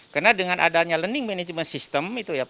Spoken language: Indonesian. karena dengan adanya learning management system